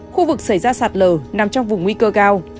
khu vực xảy ra sạt lở nằm trong vùng nguy cơ cao